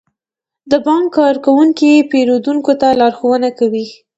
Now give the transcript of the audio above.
د بانک کارکونکي پیرودونکو ته لارښوونه کوي.